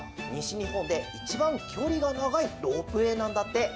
にほんでいちばんきょりがながいロープウェイなんだって。